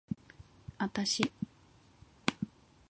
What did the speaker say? あたし